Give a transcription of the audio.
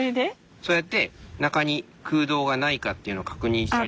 そうやって中に空洞がないかっていうのを確認したり。